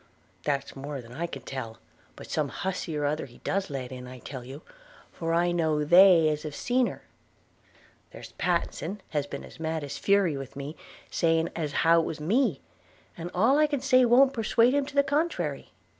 'That's more than I can tell; but some hussy or other he does let in, I tell you, for I know they as have seen her. There's Pattenson has been as mad as fury with me, saying as how it was me; and all I can say won't persuade him to the contrary.